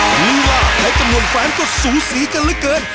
รู้ว่าใช้จำนวนแฟนก็สูสีกันเหลือเกิน